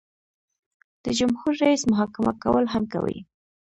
د جمهور رئیس محاکمه کول هم کوي.